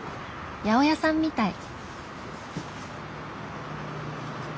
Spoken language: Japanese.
八百屋さんみたい。